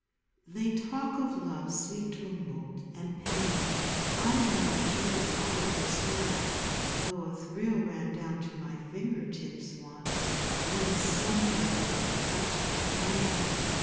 They talk of love's sweet tumult and pain : I am not sure that I understand, Though — a thrill ran down to my finger tips Once when — somebody — touched my hand